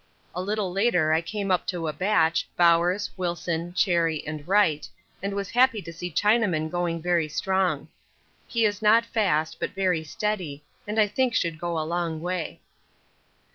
A little later I came up to a batch, Bowers, Wilson, Cherry, and Wright, and was happy to see Chinaman going very strong. He is not fast, but very steady, and I think should go a long way.